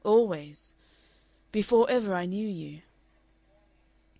Always. Before ever I knew you."